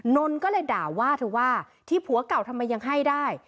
นนท์ก็เลยด่าว่าเธอว่าที่ผัวเก่าทำไมยังให้ได้